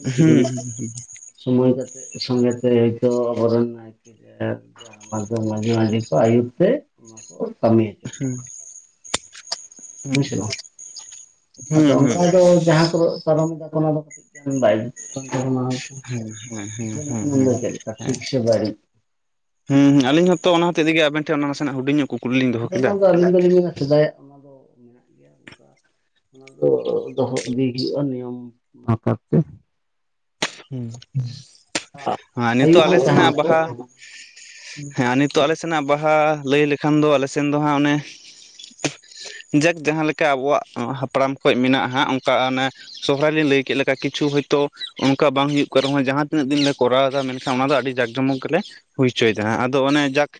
Speaker 2: ᱦᱩᱸ
Speaker 1: [unintelligible] ᱥᱚᱢᱚᱭ ᱠᱟᱛᱮ ᱥᱚᱸᱜᱮᱛᱮ ᱟᱹᱭᱠᱟᱹᱣᱟ ᱟᱵᱚᱨᱮᱱᱼᱼ ᱫᱚ ᱢᱟᱹᱡᱷᱤ ᱢᱟᱹᱡᱷᱤ ᱠᱚ ᱟᱭᱩᱹᱨ ᱛᱮ ᱚᱱᱟ ᱠᱚ ᱠᱟᱹᱢᱤᱭᱟ
Speaker 2: ᱦᱩᱸᱻ
Speaker 1: ᱦᱩᱥᱮ ᱵᱟᱝ ᱟᱫᱚ
Speaker 2: ᱦᱩᱸ ᱦᱩᱸ
Speaker 1: ᱚᱱᱠᱟ ᱫᱚ ᱡᱟᱦᱟᱸ ᱠᱚᱫ ᱯᱟᱨᱚᱢ ᱠᱟᱜ ᱚᱱᱟ ᱫᱚ ᱵᱟᱭ [unintelligible] ᱚᱱᱟ
Speaker 2: ᱦᱮᱸ ᱦᱮᱸ ᱦᱮᱸ ᱦᱮᱸ ᱦᱮᱸ
Speaker 1: ᱫᱚ
Speaker 2: ᱦᱮᱸ
Speaker 1: ᱪᱮᱫ ᱞᱮᱠᱟ ᱴᱷᱤᱠ ᱥᱮ ᱵᱟᱹᱲᱤᱡᱼᱼ
Speaker 2: ᱦᱩᱸ ᱟᱞᱤᱧ ᱦᱚᱸ ᱛᱚ ᱚᱱᱟ ᱦᱚᱛᱮᱡ ᱛᱮᱜᱮ ᱟᱵᱮᱱ ᱴᱷᱮᱱ ᱱᱟᱥᱮ ᱱᱟᱜ ᱦᱩᱰᱤᱧᱚᱜ
Speaker 1: ᱟ ᱚᱱᱟ ᱟᱹᱞᱤᱧ ᱫᱚᱞᱤᱧ ᱢᱮᱱᱟ ᱥᱮᱫᱟᱭᱟᱜ ᱚᱱᱟ ᱫᱚ ᱢᱮᱱᱟᱜ ᱜᱮᱭᱟ ᱚᱱᱠᱟᱼᱼ ᱚᱱᱟ ᱫᱚ ᱫᱚᱦᱚ ᱤᱫᱤ ᱦᱩᱭᱩᱜᱼᱟ ᱱᱤᱭᱚᱢ [unintelligible]
Speaker 2: ᱦᱮᱸ ᱟᱨ ᱱᱤᱛᱚᱜ
Speaker 1: ᱟᱭᱩᱨ ᱨᱮ
Speaker 2: ᱟᱞᱮ ᱥᱮᱱᱟᱜ
Speaker 1: ᱛᱟᱦᱮᱱᱟᱠᱚ
Speaker 2: ᱵᱟᱦᱟ
Speaker 1: ᱦᱩᱸ
Speaker 2: ᱦᱮᱸ ᱱᱤᱛᱚᱜ ᱟᱞᱮ ᱚ ᱱᱟᱜ ᱵᱟᱦᱟ ᱞᱟᱹᱭ ᱞᱮᱠᱷᱟᱱ ᱫᱚ ᱟᱞᱮ ᱥᱮᱱ ᱫᱚ ᱦᱟᱸᱜ ᱚᱱᱮ ᱡᱟᱠ ᱡᱟᱦᱟᱸ ᱞᱮᱠᱟ ᱟᱵᱚᱣᱟᱜ ᱦᱟᱯᱲᱟᱢ ᱠᱚ ᱢᱮᱱᱟᱜᱼᱟ ᱚᱱᱠᱟ ᱚᱱᱮ ᱥᱚᱦᱨᱟᱭ ᱞᱮᱧ ᱞᱟᱹᱭ ᱠᱮᱜ ᱞᱮᱠᱟ ᱠᱤᱪᱷᱩ ᱦᱳᱭᱛᱳ ᱚᱸᱜ ᱚᱱᱠᱟ ᱵᱟᱝ ᱦᱩᱭᱩᱜ ᱠᱟᱱ ᱨᱮᱦᱚᱸ ᱡᱟᱦᱟᱸ ᱛᱤᱱᱟᱹᱜ ᱫᱤᱱ ᱞᱮ ᱠᱚᱨᱟᱣ ᱮᱫᱟ ᱢᱮᱱᱠᱷᱟᱱ ᱚᱱᱟ ᱫᱚ ᱟᱰᱤ ᱡᱟᱠ ᱡᱚᱢᱚᱠ ᱜᱮᱞᱮ ᱦᱩᱭ ᱦᱚᱪᱚᱭ ᱫᱟ ᱦᱟᱸᱜ ᱟᱫᱚ ᱚᱱᱮ ᱡᱟᱠ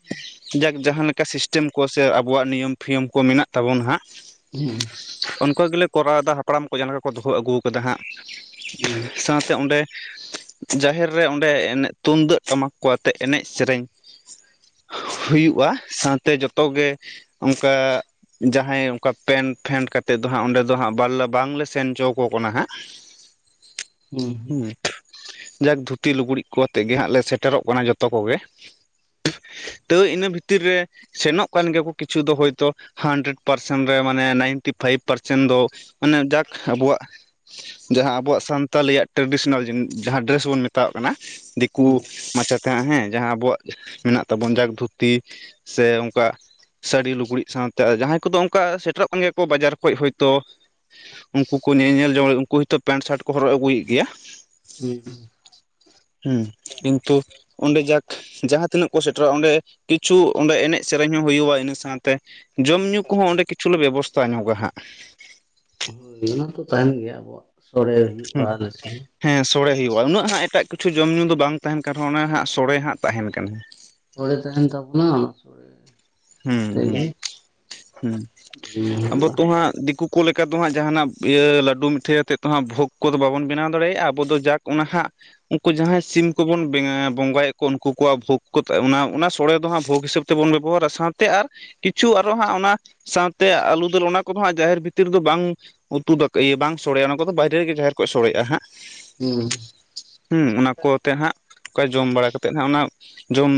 Speaker 2: ᱡᱟᱠ ᱡᱟᱸᱦᱟ ᱞᱮᱠᱟ ᱥᱤᱥᱴᱮᱢ ᱠᱚ ᱥᱮ ᱟᱵᱚᱣᱟᱜ ᱱᱤᱹᱭᱚᱢ ᱯᱷᱤᱭᱚᱢ ᱠᱚ ᱢᱮᱱᱟᱜ ᱛᱟᱵᱚᱱᱟ ᱦᱟᱸᱜ
Speaker 1: ᱯᱷᱩ-ᱢᱩᱸᱻ ᱾
Speaker 2: ᱚᱱᱠᱟ ᱜᱮᱞᱮ ᱠᱚᱨᱟᱣ ᱫᱟ ᱦᱟᱯᱲᱟᱢ ᱠᱚ ᱡᱟᱦᱟ ᱞᱮᱠᱟ ᱠᱚ ᱫᱚᱦᱚ ᱟᱹᱜᱩ ᱠᱟᱫᱟ ᱦᱟᱸᱜ
Speaker 1: ᱦᱩᱸ
Speaker 2: ᱴᱷᱟᱭ ᱥᱟᱶ ᱚᱸᱰᱮ ᱡᱟᱦᱮᱨ ᱨᱮ ᱚᱸᱰᱮ ᱮᱱᱮᱡ ᱛᱩᱢᱫᱟᱹᱜ ᱴᱟᱢᱟᱠ ᱠᱚ ᱟᱛᱮ ᱮᱱᱮᱡ ᱥᱮᱹᱨᱮᱹᱧ ᱦᱩᱭᱩᱜᱼᱟ ᱥᱟᱶᱛᱮ ᱡᱚᱛᱚ ᱜᱮ ᱚᱜᱠᱟ ᱡᱟᱦᱟᱸᱭ ᱚᱱᱠᱟ ᱯᱮᱱ ᱯᱷᱮᱱ ᱠᱟᱛᱮᱜ ᱫᱚ ᱦᱟᱸᱜ ᱚᱸᱰᱮ ᱫᱚ ᱦᱟᱸᱜ ᱵᱟᱨᱞᱟ ᱵᱟᱝᱞᱮ ᱥᱮᱱ ᱦᱚᱪᱚ ᱟᱠ ᱠᱟᱱᱟ ᱦᱟᱸᱜ ᱦᱩᱸ, ᱴᱷᱚᱜ, ᱡᱟᱠ ᱫᱷᱩᱛᱤ ᱞᱩᱜᱽᱲᱤᱡ ᱠᱚ ᱟᱛᱮᱜ ᱜᱮ ᱦᱟᱸᱜ ᱞᱮ ᱥᱮᱴᱮᱨᱚᱜ ᱠᱟᱱᱟ ᱡᱚᱛᱚ ᱠᱚᱜᱮ ᱾ ᱛᱷᱳᱦ, ᱛᱟᱹᱶ ᱤᱱᱟᱹ ᱵᱷᱤᱛᱤᱨ ᱨᱮ ᱥᱮᱱᱚᱜ ᱠᱟᱱ ᱜᱮᱭᱟᱠᱚ ᱠᱤᱪᱷᱩ ᱫᱚ ᱦᱚᱭᱛᱚ ᱦᱟᱱᱰᱨᱮᱹᱰ ᱯᱟᱨᱥᱮᱱ ᱨᱮ ᱢᱟᱱᱮ ᱱᱟᱭᱤᱱᱴᱤ ᱯᱷᱟᱭᱤᱵ ᱯᱟᱨᱥᱮᱱ ᱫᱚ ᱾ ᱢᱟᱱᱮ ᱡᱟᱠ ᱟᱵᱚᱣᱟᱜ ᱡᱟᱦᱟᱸ ᱟᱵᱚᱣᱟᱜ ᱥᱟᱱᱛᱟᱞᱤ ᱟᱜ ᱴᱨᱮᱰᱤᱥᱚᱱᱟᱞ ᱡᱟᱦᱟᱸ ᱰᱨᱮᱹᱥ ᱵᱚᱱ ᱢᱮᱛᱟᱣᱟᱜ ᱠᱟᱱᱟ ᱫᱤᱠᱩ
Speaker 1: ᱦᱩᱸ
Speaker 2: ᱢᱟᱪᱮᱛ ᱦᱮᱸ ᱡᱟᱦᱟᱸ ᱟᱵᱚᱣᱟᱜ ᱢᱮᱱᱟᱜ ᱛᱟᱵᱚᱱ ᱡᱟᱠ ᱫᱷᱩᱛᱤ ᱥᱮ ᱚᱝᱠᱟ ᱥᱟᱹᱲᱤ ᱞᱩᱜᱽᱲᱤᱡ ᱥᱟᱶᱛᱮ ᱡᱟᱦᱟᱸᱭ ᱠᱚᱫᱚ ᱚᱝᱠᱟ ᱥᱮᱴᱮᱨᱚᱜ ᱠᱟᱱ ᱜᱮᱭᱟ ᱠᱚ ᱵᱟᱡᱟᱨ ᱠᱷᱚᱡ ᱦᱚᱭᱛᱳ ᱩᱱᱠᱩ ᱠᱚ ᱧᱮᱧᱮᱞ ᱡᱚᱝ ᱩᱱᱠᱩ ᱦᱚᱛᱳ ᱯᱮᱱᱴ ᱥᱟᱨᱴ ᱠᱚ ᱦᱚᱨᱚᱜ ᱟᱹᱜᱩᱭᱮᱜ ᱜᱮᱭᱟ ᱾
Speaker 1: ᱦᱩᱸᱦ
Speaker 2: ᱦᱩᱸᱦ ᱠᱤᱱᱛᱩ ᱚᱸᱰᱮ ᱡᱟᱠ ᱡᱟᱦᱟᱸ ᱛᱤᱱᱟᱹᱜ ᱠᱚ ᱥᱮᱴᱮᱨᱚᱜᱼᱟ ᱚᱸᱰᱮ ᱠᱤᱪᱷᱩ ᱚᱸᱰᱮ ᱮᱱᱮᱡ ᱥᱮᱹᱨᱮᱹᱧ ᱦᱚᱸ ᱦᱩᱭᱩᱜᱼᱟ ᱤᱱᱟᱹ ᱥᱟᱶᱛᱮ ᱡᱚᱢᱼᱧᱩ ᱠᱚᱦᱚᱸ ᱚᱸᱰᱮ ᱠᱤᱪᱷᱩ ᱞᱮ ᱵᱮᱵᱚᱥᱛᱷᱟ ᱧᱚᱜᱟ ᱦᱟᱸᱜ ᱾
Speaker 1: ᱦᱳᱭ, ᱚᱱᱟᱛᱚ ᱛᱟᱦᱮᱱ ᱜᱮᱭᱟ ᱟᱵᱚᱣᱟᱜ ᱥᱚᱲᱮ ᱵᱟ ᱞᱩᱪᱤ ᱾
Speaker 2: ᱦᱮᱸ ᱥᱚᱲᱮ ᱦᱩᱭᱩᱜᱼᱟ ᱩᱱᱟᱹᱜ ᱦᱟᱸ ᱮᱴᱟᱜ ᱠᱤᱪᱷᱩ ᱡᱚᱢᱼ ᱧᱩ ᱫᱚ ᱵᱟᱝ ᱛᱟᱦᱮᱱ ᱠᱟᱱ ᱨᱮᱦᱚᱸ ᱚᱱᱟ ᱦᱟᱸᱜ ᱥᱚᱲᱮ ᱦᱟᱸᱜ ᱛᱟᱦᱮᱱ ᱠᱟᱱᱟ᱾
Speaker 1: ᱥᱚᱲᱮᱹ ᱛᱟᱦᱮᱱ ᱛᱟᱵᱚᱱᱟᱜ ᱥᱚᱲᱮᱹ
Speaker 2: ᱦᱩᱸ -ᱦᱩᱸ ᱦᱩᱸ,
Speaker 1: ᱡᱚᱢ ᱧᱩ
Speaker 2: ᱟᱵᱚ
Speaker 1: ᱦᱩᱭᱩᱜᱼᱟ
Speaker 2: ᱛᱚ ᱦᱟᱸᱜ ᱫᱤᱠᱩ ᱠᱩ ᱞᱮᱠᱟ ᱫᱚ ᱦᱟᱸᱜ ᱡᱟᱦᱟᱱᱟᱜ ᱤᱭᱟᱹ ᱞᱟᱹᱰᱩ ᱢᱤᱴᱷᱟᱹᱭ ᱟᱛᱮᱫ ᱫᱚ ᱦᱟᱸᱜ ᱵᱷᱳᱜᱽ ᱠᱚᱫᱚ ᱵᱟᱵᱚᱱ ᱵᱮᱱᱟᱣ ᱫᱟᱲᱮᱭᱟᱜᱼᱟ ᱟᱵᱚ ᱫᱚ ᱡᱟᱠ ᱚᱱᱟ ᱦᱟᱸᱜ ᱩᱱᱠᱩ ᱡᱟᱦᱟᱸᱭ ᱥᱤᱢ ᱠᱚᱵᱚᱱ ᱵᱮᱭᱟᱸᱣ ᱵᱚᱸᱜᱟᱭᱮᱜ ᱠᱚ ᱩᱱᱠᱩ ᱠᱚᱣᱟᱜ ᱵᱷᱳᱜᱽ ᱠᱚ ᱚᱱᱟ ᱥᱳᱚᱲᱮ ᱫᱚ ᱦᱟᱸᱜ ᱵᱷᱳᱜᱽ ᱦᱤᱥᱟᱹᱵ ᱛᱮᱵᱚᱱ ᱵᱮᱵᱚᱦᱟᱨᱟ ᱥᱟᱸᱛ ᱛᱮ ᱟᱨ ᱠᱤᱪᱷᱩ ᱟᱨᱚ ᱦᱟᱸᱜ ᱚᱱᱟ ᱥᱟᱶᱛᱮ ᱟᱹᱞᱩ ᱫᱟᱹᱞ ᱚᱱᱟ ᱠᱚᱫᱚ ᱦᱟᱸᱜ ᱡᱟᱦᱮᱨ ᱵᱷᱤᱛᱤᱨ ᱨᱮ ᱫᱚ ᱵᱟᱝ ᱩᱛᱩ ᱫᱚ ᱠᱟᱹ ᱤᱭᱟᱹ ᱵᱟᱝ ᱥᱚᱲᱮᱹ ᱚᱱᱟ ᱠᱚᱫᱚ ᱵᱟᱭᱨᱮᱹ ᱨᱮᱜᱮ ᱡᱟᱦᱮᱨ ᱠᱷᱳᱡ ᱥᱚᱲᱮᱹᱜᱼᱟ ᱦᱟᱸᱜ ᱾
Speaker 1: ᱦᱩᱦ
Speaker 2: ᱦᱩᱸ ᱚᱱᱟ ᱠᱚ ᱚ ᱟᱛᱮ ᱦᱟᱸᱜ ᱯ-ᱪ-ᱚᱜ, ᱠᱟ ᱡᱚᱢ ᱵᱟᱲᱟ ᱠᱟ ᱠᱟᱛᱮᱜ ᱦᱟᱸᱜ ᱚᱱᱟ ᱡᱚᱢ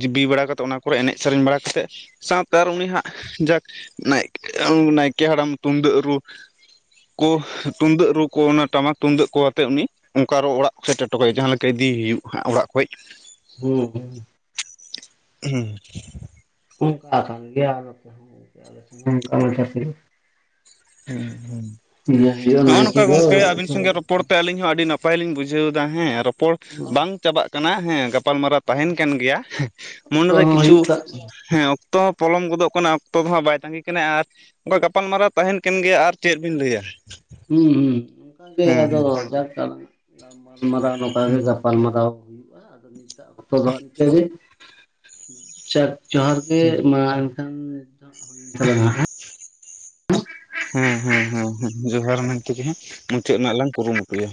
Speaker 2: ᱡᱤᱵᱤ ᱵᱟᱲᱟ ᱠᱟᱛᱮᱜ ᱚᱱᱟ ᱠᱚᱨᱮ ᱮᱱᱮᱡ ᱥᱮᱹᱨᱮᱹᱧ ᱵᱟᱲᱟ ᱠᱟᱛᱮᱜ ᱥᱟᱶᱛᱮ ᱟᱨ ᱩᱱᱤ ᱦᱟᱸᱜ ᱡᱟᱠ ᱱᱟᱭᱠᱮᱹᱷ ᱱᱟᱭᱠᱮᱹ ᱦᱟᱲᱟᱢ ᱛᱩᱢᱫᱟᱹᱜ ᱨᱩ ᱠᱳ ᱛᱩᱢᱫᱟᱹᱜ ᱨᱩ ᱠᱚ ᱚᱱᱟ ᱴᱟᱢᱟᱠ ᱛᱩᱢᱫᱟᱹᱜ ᱠᱚ ᱟᱛᱮᱜ ᱩᱱᱤ ᱚᱱᱠᱟ ᱟᱨᱚ ᱚᱲᱟᱜ ᱥᱮᱴᱮᱨ ᱦᱚᱴᱚ ᱠᱟᱭ ᱡᱟᱦᱟᱸ ᱞᱮᱠᱟ ᱤᱫᱤ ᱦᱩᱭᱩᱜ-ᱟ ᱚᱲᱟᱜ ᱠᱷᱚᱡ ᱾
Speaker 1: ᱦᱩᱦ
Speaker 2: ᱷᱩᱦ ᱾
Speaker 1: [unintelligible] ᱥᱭᱟᱹᱦᱳᱭᱳᱜ-ᱟ ᱢᱮᱱ ᱠᱮᱫ ᱫᱚ-ᱚ?
Speaker 2: ᱯᱚᱲ ᱛᱮ ᱟᱹᱞᱤᱧ ᱦᱚᱸ ᱟᱰᱤ ᱱᱟᱯᱟᱭ ᱞᱤᱧ ᱵᱩᱡᱷᱟᱹᱣ ᱫᱟ ᱦᱮᱸ ᱨᱚᱯᱚᱲ ᱵᱟᱝ ᱪᱟᱵᱟᱜ ᱠᱟᱱᱟ ᱦᱮᱸ ᱜᱟᱯ ᱯᱟᱞᱢᱟᱨᱟᱣ ᱛᱟᱦᱮᱱ ᱠᱟᱱ ᱜᱮᱭᱟ, ᱷᱮ-ᱥᱮᱜ ᱢᱚᱱᱮᱨᱮ
Speaker 1: ᱦᱚᱸ
Speaker 2: ᱠᱤᱪᱷᱩ,
Speaker 1: ᱦᱩᱭᱩᱜ ᱠᱟᱱ
Speaker 2: ᱦᱮᱸ ᱛᱚ ᱦᱚᱸ ᱯᱚᱞᱚᱢ ᱜᱚᱫᱚᱜ ᱠᱟᱱᱟ ᱚᱠᱛᱚ ᱫᱚ ᱦᱟᱜ ᱵᱟᱭ ᱛᱟᱸᱜᱤ ᱠᱟᱱᱟ ᱟᱨ ᱚᱝᱠᱟ ᱜᱟᱯᱟᱞᱢᱟᱨᱟᱣ ᱛᱟᱦᱮᱱ ᱠᱟᱱ ᱜᱮᱭᱟ ᱟᱨ ᱪᱮᱫ ᱵᱤᱱ ᱞᱟᱹᱭᱟ?
Speaker 1: ᱦᱩ ᱦᱩ, ᱚᱱᱠᱟᱜᱮ
Speaker 2: ᱦᱮᱸ
Speaker 1: ᱟᱫᱚ
Speaker 2: ᱦᱮᱸ
Speaker 1: ᱡᱟᱠ ᱾ ᱜᱟᱞᱢᱟᱨᱟᱣ ᱱᱚᱝᱠᱟ ᱜᱮ
Speaker 2: ᱦᱮᱸ
Speaker 1: ᱜᱟᱯᱟᱞᱢᱟᱨᱟᱣ ᱦᱩᱭᱩᱜᱼᱟ᱾ ᱱᱤᱛᱟᱜ ᱚᱠᱛᱚ ᱫᱚ ᱱᱤᱝᱠᱟᱹ ᱜᱮ ᱡᱚᱦᱟᱨ ᱜᱮ ᱢᱟ᱾ ᱦᱩᱤ ᱮᱱᱛᱟᱞᱟᱝ-ᱟ ᱦᱮᱸ᱾
Speaker 2: ᱦᱮᱸ ᱦᱮᱸ ᱦᱮᱸ ᱡᱚᱦᱟᱨ ᱢᱮᱱᱛᱮᱜᱮ ᱦᱟᱸᱜ ᱢᱩᱪᱟᱹᱫ ᱨᱮᱱᱟᱜ ᱞᱟᱝ ᱠᱩᱨᱩᱢᱩᱴᱩᱭᱟ᱾